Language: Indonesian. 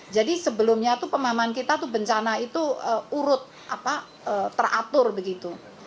jadi sebelumnya pemahaman kita bencana itu urut teratur begitu